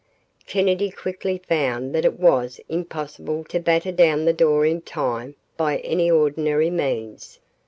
Kennedy quickly found that it was impossible to batter down the door in time by any ordinary means.